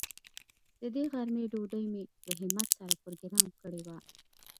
د دې غرمې ډوډۍ مې له همت سره پروگرام کړې وه.